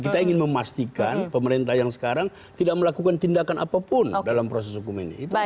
kita ingin memastikan pemerintah yang sekarang tidak melakukan tindakan apapun dalam proses hukum ini